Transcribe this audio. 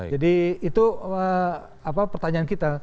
jadi itu pertanyaan kita